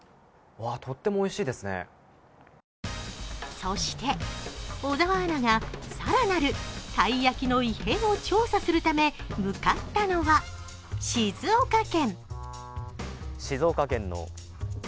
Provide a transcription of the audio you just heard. そして、小沢アナが更なるたい焼きの異変を調査するため向かったのは、静岡県。